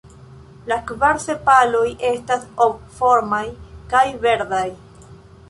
La kvar sepaloj estas ovformaj kaj verdaj.